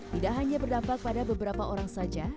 tidak hanya berdampak pada beberapa orang saja